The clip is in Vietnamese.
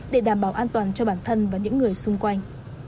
để đảm bảo an toàn cho bản thân và những người xung quanh